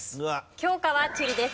教科は地理です。